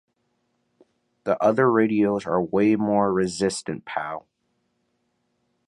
The other radios are way more resistant, Pau!